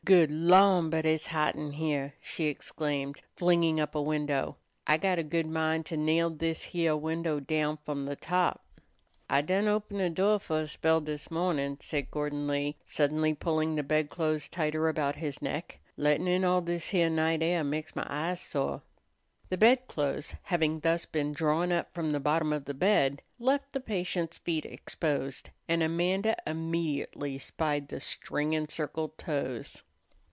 "Good lan'! but it's hot in heah!" she exclaimed, flinging up a window. "I got a good mind to nail this heah window down f'om the top." "I done open' de door fer a spell dis mawnin'," said Gordon Lee, sullenly, pulling the bedclothes tighter about his neck. "Lettin' in all dis heah night air meks my eyes sore." The bedclothes, having thus been drawn up from the bottom of the bed, left the patient's feet exposed, and Amanda immediately spied the string encircled toes.